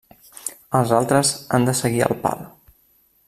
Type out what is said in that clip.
Els altres han de seguir el pal.